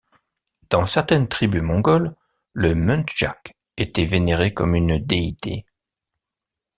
Dans certaines tribus mongoles, le muntjac était vénéré comme une déité.